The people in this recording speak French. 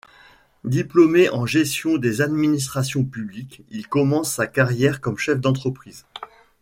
Diplômé en gestion des administrations publiques, il commence sa carrière comme chef d'entreprise.